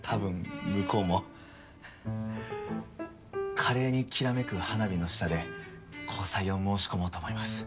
華麗にきらめく花火の下で交際を申し込もうと思います。